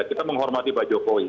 kita menghormati pak jokowi